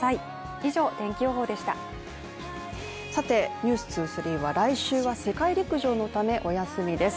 「ｎｅｗｓ２３」は来週は世界陸上のためお休みです。